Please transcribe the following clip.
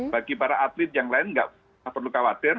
bagi para atlet yang lain nggak perlu khawatir